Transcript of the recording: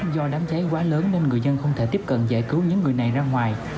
do đám cháy quá lớn nên người dân không thể tiếp cận giải cứu những người này ra ngoài